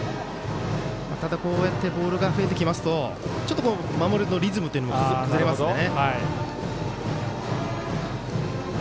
ただ、ボールが増えてきますとちょっと守りのリズムというのも崩れますので。